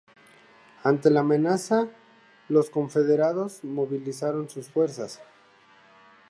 Ante la amenaza, los confederados movilizaron sus fuerzas.